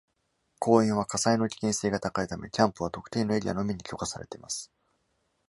公園は火災の危険性が高いため、キャンプは特定のエリアのみに許可されてます。